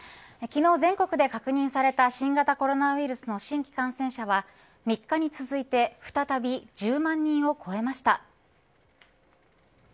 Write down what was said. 昨日全国で確認された新型コロナウイルスの新規感染者は３日に続いて再び１０万人を超えました。